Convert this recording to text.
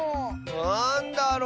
なんだろ？